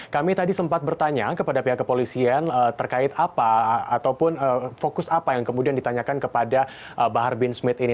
kami tadi sempat bertanya kepada pihak kepolisian terkait apa ataupun fokus apa yang kemudian ditanyakan kepada bahar bin smith ini